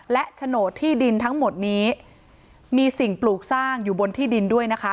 และโฉนดที่ดินทั้งหมดนี้มีสิ่งปลูกสร้างอยู่บนที่ดินด้วยนะคะ